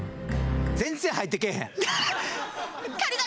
全然入ってけえへん！